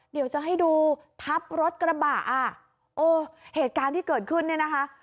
เดี๋ยวจะให้ดูทับรถกระบะอ่ะโอ้เหตุการณ์ที่เกิดขึ้นเนี่ยนะคะ